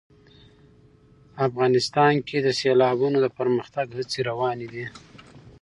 افغانستان کې د سیلابونه د پرمختګ هڅې روانې دي.